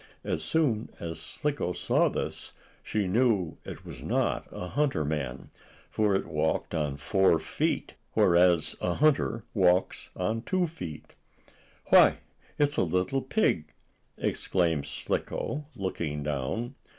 As soon as Slicko saw this, she knew it was not a hunter man, for it walked on four feet, whereas a hunter walks on two feet. "Why, it's a little pig!" exclaimed Slicko, looking down.